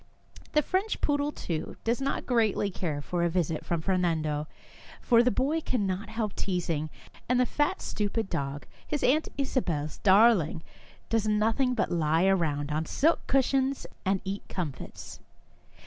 The French poodle, too, does not greatly care for a visit from Fernando, for the boy cannot help teasing, and the fat, stupid dog, his Aunt Isabel's darling, does nothing but lie around on silken cushions and eat comfits.